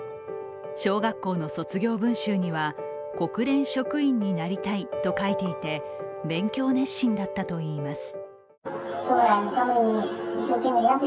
小学校の卒業文集には、国連職員になりたいと書いていて勉強熱心だったといいます。